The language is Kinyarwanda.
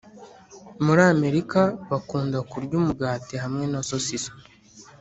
muri amerika bakunda kurya umugati hamwe na sosiso